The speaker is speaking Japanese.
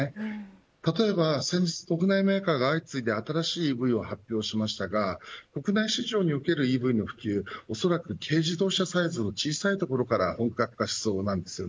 例えば先日国内メーカーが新しいＥＶを相次いで発表しましたが国内市場におけるＥＶの普及はおそらく軽自動車サイズの小さいところから本格化しそうです。